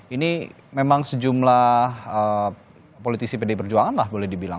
ini memang sejumlah politisi pd perjuangan lah boleh dibilang